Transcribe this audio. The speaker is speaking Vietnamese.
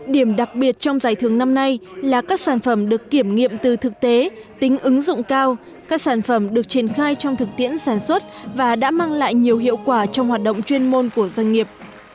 điểm đặc biệt trong giải thưởng năm nay là các sản phẩm được kiểm nghiệm từ thực tế tính ứng dụng cao các sản phẩm được triển khai trong thực tiễn sản xuất và đã mang lại nhiều hiệu quả trong hoạt động chuyên môn của doanh nghiệp